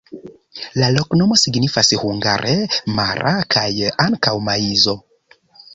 La loknomo signifas hungare: mara kaj ankaŭ maizo.